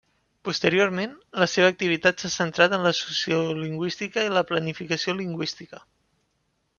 Posteriorment, la seva activitat s'ha centrat en la sociolingüística i la planificació lingüística.